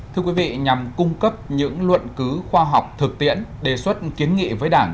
thưa quý vị nhằm cung cấp những luận cứu khoa học thực tiễn đề xuất kiến nghị với đảng